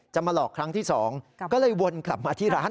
มาหลอกครั้งที่๒ก็เลยวนกลับมาที่ร้าน